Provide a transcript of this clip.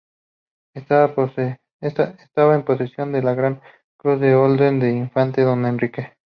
Estaba en posesión de la gran cruz de la Orden del Infante Don Enrique.